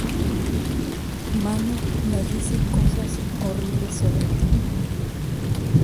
Manu me dice cosas horribles sobre ti.